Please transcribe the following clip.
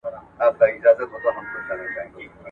خپله مرسته پټه ورکړئ.